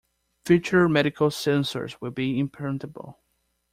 Future medical sensors will be implantable.